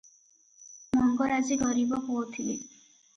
ମଙ୍ଗରାଜେ ଗରିବ ପୁଅ ଥିଲେ ।